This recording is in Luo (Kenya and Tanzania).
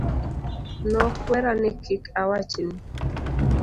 Nokwera ni kik awach ni.